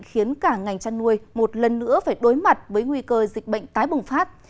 khiến cả ngành chăn nuôi một lần nữa phải đối mặt với nguy cơ dịch bệnh tái bùng phát